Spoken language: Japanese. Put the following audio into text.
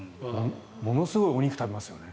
ものすごいお肉食べますよね。